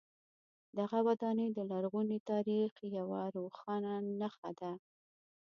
دغه ودانۍ د لرغوني تاریخ یوه روښانه نښه ده.